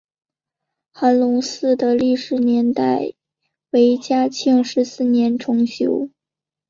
韩泷祠的历史年代为清嘉庆十四年重修。